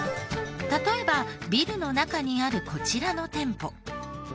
例えばビルの中にあるこちらの店舗。